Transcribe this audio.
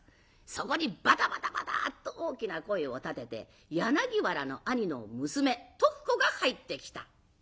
そこにバタバタバターッと大きな声を立てて柳原の兄の娘徳子が入ってきた。